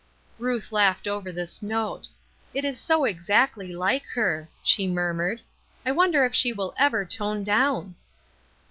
Ruth laughed over this note. ,' It is so exactly like her," she murmured. " I wonder if she will ever tone down